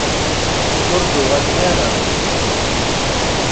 Ur d-uɣalen ara.